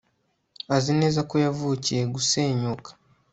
azi neza ko yavukiye gusenyuka